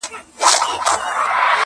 واکمن به نامحرمه د بابا د قلا نه وي -